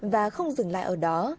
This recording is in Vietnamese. và không dừng lại ở đó